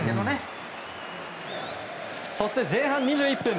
そして前半２１分。